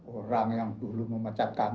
orang yang dulu memecat kamu